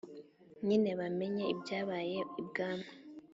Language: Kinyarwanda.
nyina bamenye ibyabaye ibwami